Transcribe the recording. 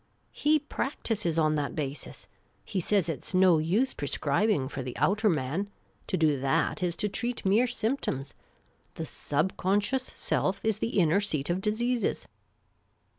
" He practises on that basis. He says it 's no use pre scribing for the outer man ; to do that is to treat mere symp toms ; the sub conscious self is the inner seat of diseases."